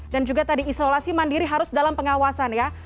dan juga tadi isolasi mandiri harus dalam pengawasan ya